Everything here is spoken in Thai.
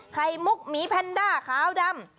ไข่มุกหมีแพนด้าขาวดำ